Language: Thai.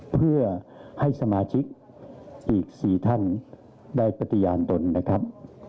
เพื่อให้สมาชิกอีก๔ท่านได้ปฏิญาณตนนะครับ